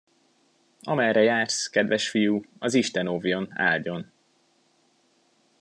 Amerre jársz, kedves fiú, az isten óvjon, áldjon!